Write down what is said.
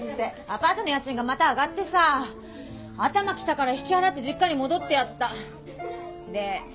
アパートの家賃がまた上がってさ頭きたから引き払って実家に戻ってやった